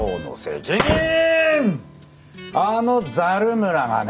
あのザル村がね